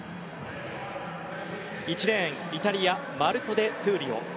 １レーン、イタリアマルコ・デ・トゥーリオ。